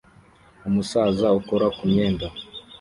Umusaza ukora kumyenda